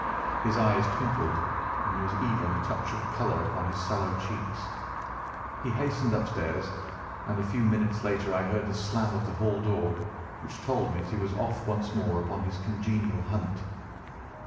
His eyes twinkled, and there was even a touch of colour upon his sallow cheeks. He hastened upstairs, and a few minutes later I heard the slam of the hall door, which told me that he was off once more upon his congenial hunt.